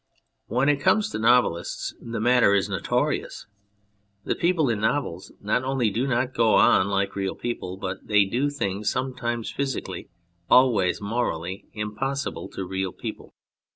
When it comes to novelists the matter is notorious. The people in novels not only do not go on like real people, but they do things sometimes physically, always morally, impossible to real people.